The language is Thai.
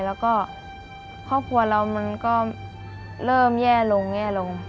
แล้วก็ครอบครัวเรามันก็เริ่มแย่ลงแย่ลง